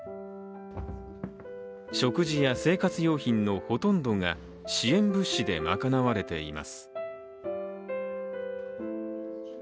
食事や生活用品のほとんどが支援物資で賄われています。